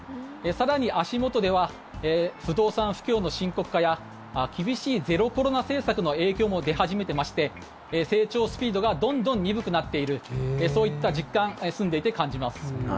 更に足元では不動産不況の深刻化や厳しいゼロコロナ政策の影響も出始めてまして成長スピードがどんどん鈍くなっているそういった実感を住んでいて感じます。